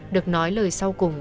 được nói lời sau cùng